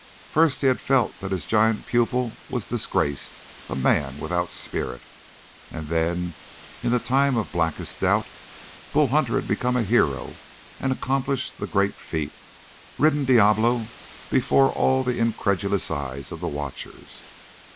First he had felt that his giant pupil was disgraced a man without spirit. And then, in the time of blackest doubt, Bull Hunter had become a hero and accomplished the great feat ridden Diablo, before all the incredulous eyes of the watchers.